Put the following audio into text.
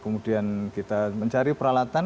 kemudian kita mencari peralatan